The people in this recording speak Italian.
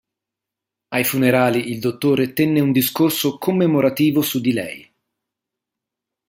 Ai funerali il Dottore tenne un discorso commemorativo su di lei.